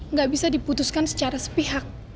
nggak bisa diputuskan secara sepihak